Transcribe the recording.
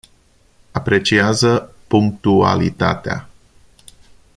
Apreciază punctualitatea.